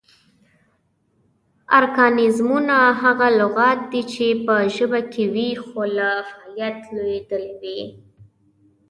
ارکانیزمونه: هغه لغات دي چې پۀ ژبه کې وي خو لۀ فعالیت لویدلي وي